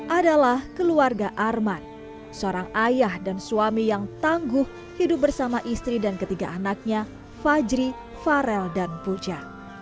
adalah keluarga arman seorang ayah dan suami yang tangguh hidup bersama istri dan ketiga anaknya fajri farel dan puja